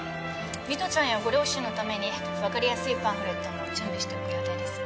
美都ちゃんやご両親のためにわかりやすいパンフレットも準備しておく予定です。